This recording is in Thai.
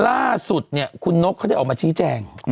ล่าสุดเนี่ยคุณนกเขาได้ออกมาชี้แจง